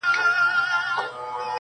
نه په غم کي د مېږیانو د غمونو.!